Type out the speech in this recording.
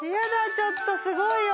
ちょっとすごいよ。